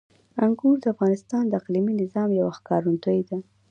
انګور د افغانستان د اقلیمي نظام یوه ښکارندوی ده.